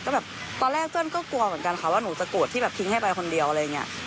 ก็แบบตอนแรกเจิ้นก็กลัวเหมือนกันค่ะว่าหนูจะโกรธที่แบบทิ้งให้ไปคนเดียวอะไรอย่างนี้